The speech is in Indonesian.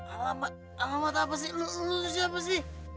alamat apa sih lo siapa sih